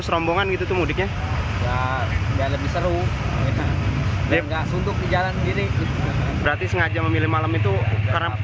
memang mau mudik kemana dari mana sih kang